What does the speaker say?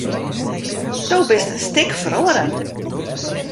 Do bist in stik feroare.